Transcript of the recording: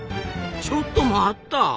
ちょっと待った！